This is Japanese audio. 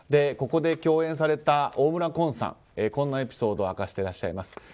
ここで共演された大村崑さんがこんなエピソードを明かしていらっしゃいます。